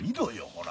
ほら